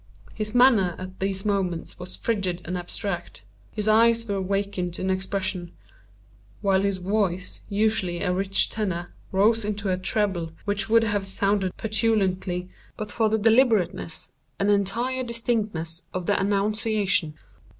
His manner at these moments was frigid and abstract; his eyes were vacant in expression; while his voice, usually a rich tenor, rose into a treble which would have sounded petulantly but for the deliberateness and entire distinctness of the enunciation.